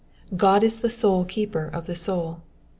God is the sole keeper of the soul.